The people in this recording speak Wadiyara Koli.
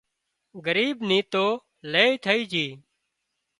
ڳريب نِي تو لئي ٿئي جھئي